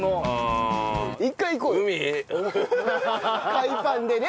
海パンでね。